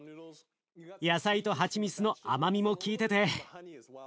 野菜とはちみつの甘みもきいてて。